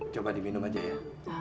coba diminum aja ya